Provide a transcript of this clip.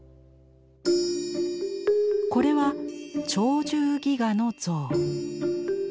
これは鳥獣戯画の象。